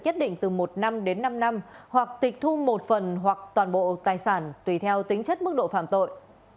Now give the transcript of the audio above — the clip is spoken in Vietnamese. nhất định từ một năm đến năm năm hoặc tịch thu một phần hoặc toàn bộ tài sản tùy theo tính chất mức độ phạm tội